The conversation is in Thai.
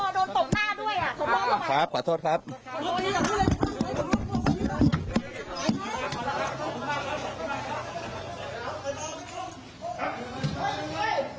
ตกหน้าด้วยขอโทษครับ